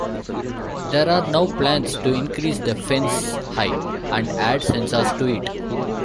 There are now plans to increase the fence's height and add sensors to it.